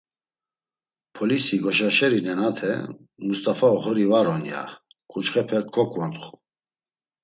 Polisi goşaşeri nenate: “Must̆afa oxori var on…” ya, ǩuçxepe koǩvontxu.